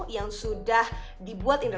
yang sudah dibuat instajam